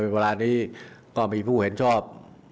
ในประมาณนี้ก็มีผู้เห็นชอบ